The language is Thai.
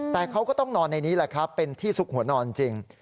แต่เขาก็ต้องนอนในนี้แหละครับเป็นที่ซุกหัวนอนจริง